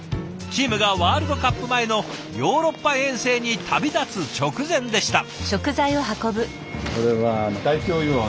チームがワールドカップ前のヨーロッパ遠征に旅立つ直前でした。